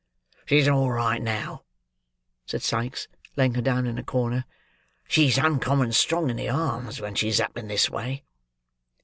"She's all right now," said Sikes, laying her down in a corner. "She's uncommon strong in the arms, when she's up in this way."